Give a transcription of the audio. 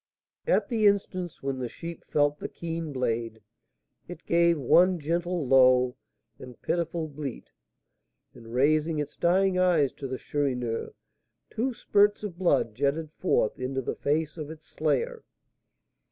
At the instant when the sheep felt the keen blade, it gave one gentle, low, and pitiful bleat, and, raising its dying eyes to the Chourineur, two spurts of blood jetted forth into the face of its slayer.